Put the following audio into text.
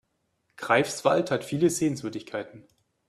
Greifswald hat viele Sehenswürdigkeiten